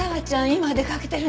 今出かけてるの。